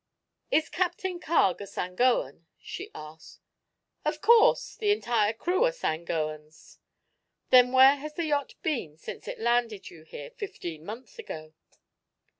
"Is Captain Carg a Sangoan?" she asked. "Of course. The entire crew are Sangoans." "Then where has the yacht been since it landed you here fifteen months ago?"